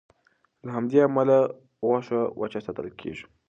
له همدې امله غوښه وچه ساتل کېږي.